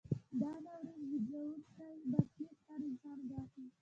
دا ناورین زیږوونکی برخلیک هر انسان ګواښي.